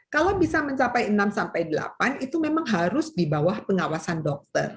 kalau bisa mencapai enam sampai delapan itu memang harus di bawah pengawasan dokter